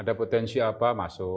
ada potensi apa masuk